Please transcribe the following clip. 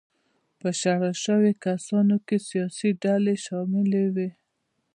په شړل شویو کسانو کې سیاسي ډلې شاملې وې.